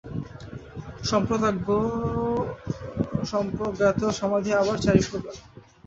সম্প্রজ্ঞাত সমাধি আবার চারি প্রকার।